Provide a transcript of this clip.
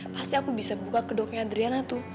pasti aku bisa buka kedoknya adriana tu